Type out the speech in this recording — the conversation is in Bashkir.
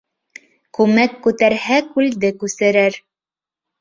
Күмәк күтәрһә, күлде күсерер.